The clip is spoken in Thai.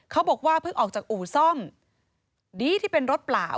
เขาบอกว่าเพิ่งออกจากอู่ซ่อมดีที่เป็นรถเปล่า